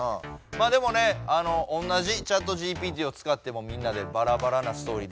まあでもねあの同じＣｈａｔＧＰＴを使ってもみんなでバラバラなストーリー出来上がりましたね。